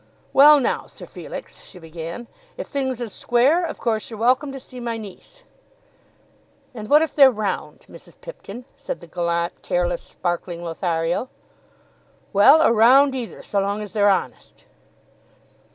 "Well, now, Sir Felix," she began, "if things is square, of course you're welcome to see my niece." "And what if they're round, Mrs. Pipkin?" said the gallant, careless, sparkling Lothario. "Well, or round either, so long as they're honest."